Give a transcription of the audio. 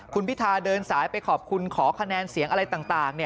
คุณพิธาเดินสายไปขอบคุณขอคะแนนเสียงอะไรต่าง